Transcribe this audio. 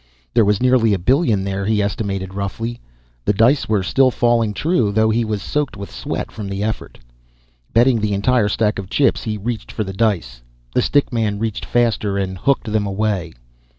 There was nearly a billion there, he estimated roughly. The dice were still falling true, though he was soaked with sweat from the effort. Betting the entire stack of chips he reached for the dice. The stick man reached faster and hooked them away.